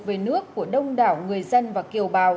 về nước của đông đảo người dân và kiều bào